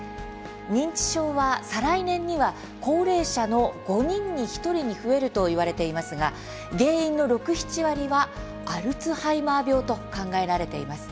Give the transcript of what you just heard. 認知症は、再来年には高齢者の５人に１人に増えるといわれていますが原因の６、７割はアルツハイマー病と考えられています。